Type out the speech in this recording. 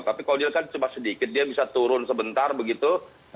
tapi kalau dia kan cepat sedikit dia bisa turun sebentar begitu